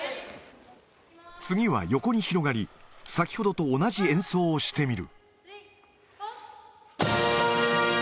次は横に広がり、先ほどと同じ演奏をしてみる。